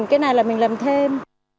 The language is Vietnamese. cái này là mình làm thêm